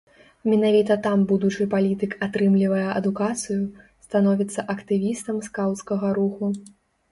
Менавіта там будучы палітык атрымлівае адукацыю, становіцца актывістам скаўцкага руху.